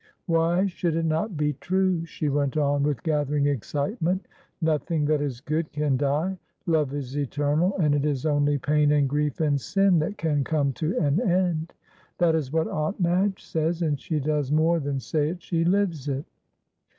Why should it not be true?" she went on, with gathering excitement, "nothing that is good can die! Love is eternal, and it is only pain and grief and sin that can come to an end. That is what Aunt Madge says, and she does more than say it, she lives it.